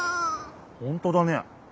ほんとだね。